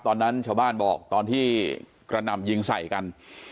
ตอนนั้นชาวบ้านบอกตอนที่กระหน่ำยิงใส่กัน